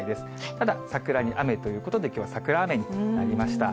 ただ、桜に雨ということで、きょうは桜雨になりました。